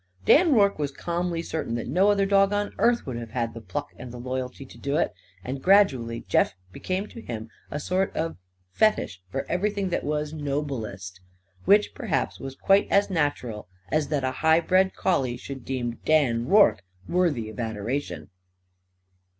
Dan Rorke was calmly certain that no other dog on earth would have had the pluck and the loyalty to do it. And gradually Jeff became to him a sort of fetish for everything that was noblest. Which perhaps was quite as natural as that a high bred collie should deem Dan Rorke worthy of adoration.